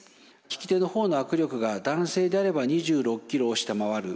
利き手のほうの握力が男性であれば２６ｋｇを下回る。